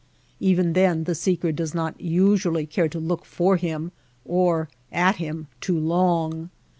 Even then the seeker does not usually care to look for him, or at him too long.